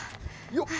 よっ！